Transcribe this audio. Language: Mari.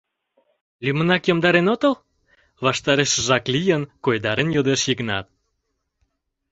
— Лӱмынак йомдарен отыл? — ваштарешыжак лийын, койдарен йодеш Йыгнат.